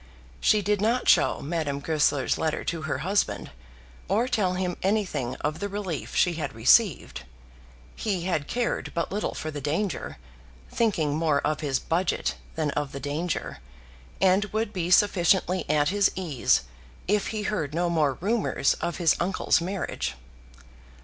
She did not show Madame Goesler's letter to her husband, or tell him anything of the relief she had received. He had cared but little for the danger, thinking more of his budget than of the danger; and would be sufficiently at his ease if he heard no more rumours of his uncle's marriage.